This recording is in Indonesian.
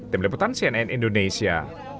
tim liputan cnn indonesia